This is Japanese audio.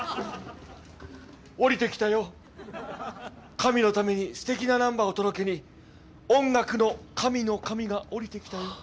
神のためにすてきなナンバーを届けに音楽の神の神が降りてきたよ。